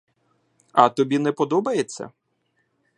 А тобі не подобається?